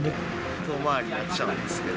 遠回りになっちゃうんですけど。